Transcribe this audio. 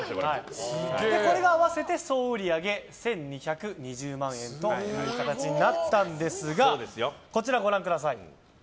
これが合わせて総売り上げ１２２０万円という形になったんですがこちら、ご覧ください。